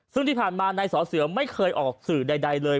ซึ่งที่ผ่านมานายสอเสือไม่เคยออกสื่อใดเลย